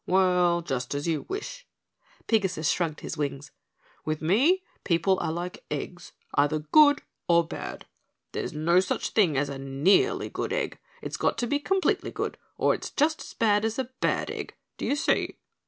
"Well, just as you wish," Pigasus shrugged his wings, "with me, people are like eggs, either good, or bad. There's no such thing as a nearly good egg, it's got to be completely good or it's just as bad as a bad egg. D'ye see?